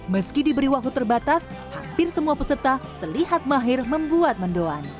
meski diberi waktu terbatas hampir semua peserta terlihat mahir membuat mendoan